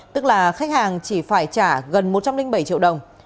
tức là khách hàng chỉ phải trả gần một trăm linh bảy triệu đồng